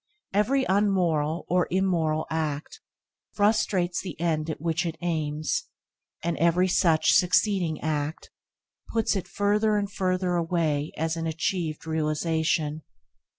Every unmoral or immoral act frustrates the end at which it aims, and every such succeeding act puts it further and further away as an achieved realisation.